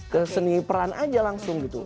ke seni peran aja langsung gitu